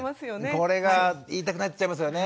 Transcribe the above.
これが言いたくなっちゃいますよね。